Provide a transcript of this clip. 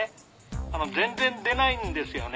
あの全然出ないんですよね。